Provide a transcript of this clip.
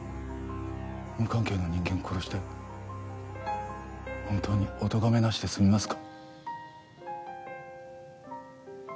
無関係の人間殺して本当におとがめなしで済みますか？